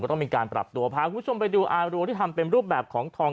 ต้องมีการปรับตัวพาคุณผู้ชมไปดูอารัวที่ทำเป็นรูปแบบของทอง